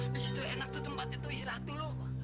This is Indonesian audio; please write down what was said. di situ enak tuh tempat itu istirahat dulu